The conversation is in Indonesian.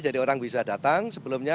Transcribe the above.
jadi orang bisa datang sebelumnya